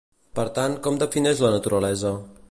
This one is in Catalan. Per tant, com defineix la naturalesa?